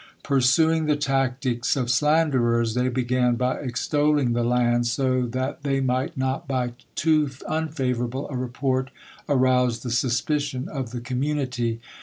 Pursuing the tactics of slanderers, they began by extolling the land, so that they might not by too unfavorable a report arouse the suspicion of the community.